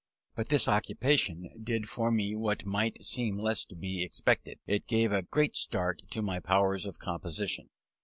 But this occupation did for me what might seem less to be expected; it gave a great start to my powers of composition.